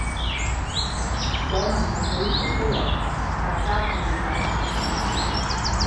有問題可以提出來，大家會解答